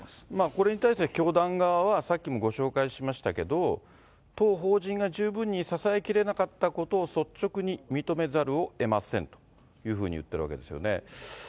これに対して教団側は、さっきもご紹介しましたけど、当法人が十分に支えきれなかったことを率直に認めざるをえませんというふうに言っているわけですよね。